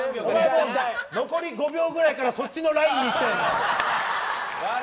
残り５秒くらいからそっちのラインにいったよな。